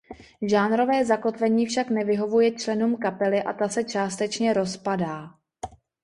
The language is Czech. Žánrové zakotvení však nevyhovuje členům kapely a ta se částečně rozpadá.